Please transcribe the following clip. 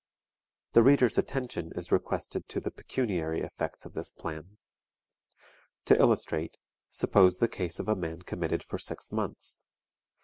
The reader's attention is requested to the pecuniary effects of this plan. To illustrate: Suppose the case of a man committed for six months.